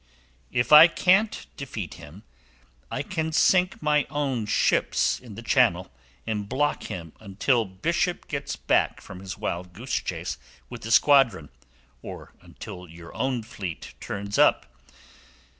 "If I can't defeat him, I can sink my own ships in the channel, and block him in until Bishop gets back from his wild goose chase with his squadron, or until your own fleet turns up."